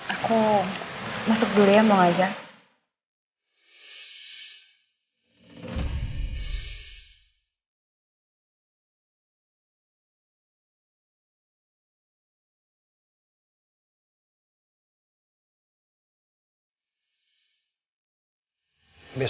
aku masuk dulu ya mau aja